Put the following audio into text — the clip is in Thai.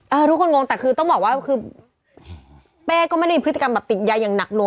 ทุกคนงงแต่คือต้องบอกว่าคือเป้ก็ไม่ได้มีพฤติกรรมแบบติดยาอย่างหนักหน่